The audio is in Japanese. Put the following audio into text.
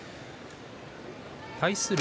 対する